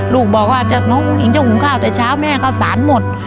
ลูกบอกว่าน้องหญิงจะหุ้มข้าวแต่เช้าแม่เขาสานหมด